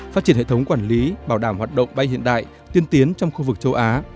phát triển hệ thống quản lý bảo đảm hoạt động bay hiện đại tiên tiến trong khu vực châu á